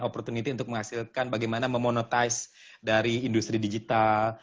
opportunity untuk menghasilkan bagaimana memonetize dari industri digital